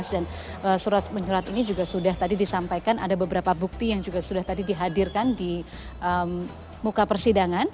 dan surat surat ini juga sudah tadi disampaikan ada beberapa bukti yang juga sudah tadi dihadirkan di muka persidangan